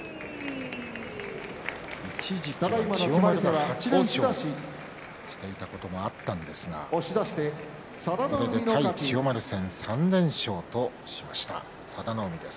一時、千代丸が８連勝していたこともあったんですがこれで千代丸戦３連勝とした佐田の海です。